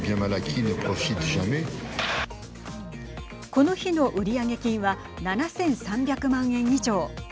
この日の売り上げ金は７３００万円以上。